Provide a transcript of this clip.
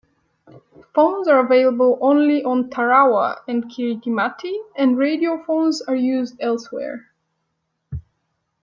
Phones are available only on Tarawa and Kiritimati and radio phones are used elsewhere.